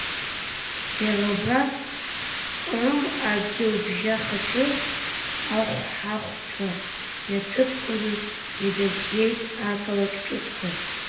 Иара убас Ҟрым адгьылбжьахаҿы ахәҳахәҭра иаҭыԥқәаны идырҿиеит ақалақь ҿыцқәа…